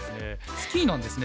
スキーなんですね。